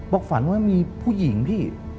ฝันว่ามีผู้หญิงพี่